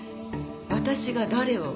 私が誰を？